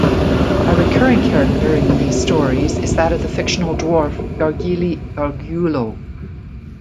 A recurring character in these stories is that of the fictional dwarf Gargilli Gargiulo.